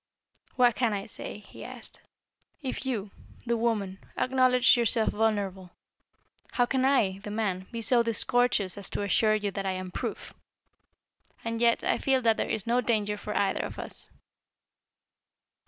"What can I say?" he asked. "If you, the woman, acknowledge yourself vulnerable, how can I, the man, be so discourteous as to assure you that I am proof? And yet, I feel that there is no danger for either of us."